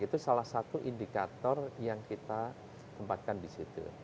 itu salah satu indikator yang kita tempatkan disitu